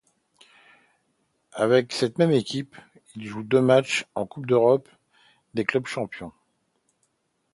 Avec cette même équipe, il joue deux matchs en Coupe d'Europe des clubs champions.